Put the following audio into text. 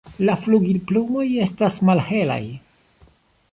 La flugilplumoj estas malhelaj.